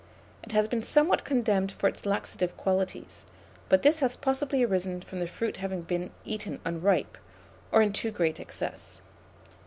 It has been somewhat condemned for its laxative qualities, but this has possibly arisen from the fruit having been eaten unripe, or in too great excess.